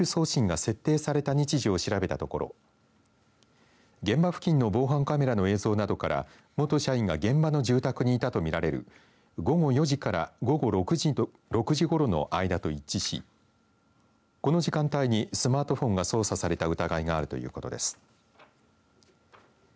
さらに、メール送信が設定された日時を調べたところ現場付近の防犯カメラの映像などから元社員が現場の住宅にいたと見られる午後４時から午後６時ごろの間と一致しこの時間帯にスマートフォンが操作された疑いがあるということです。